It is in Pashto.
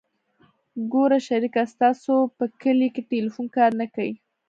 ګوره شريکه ستاسو په کلي کښې ټېلفون کار نه کيي.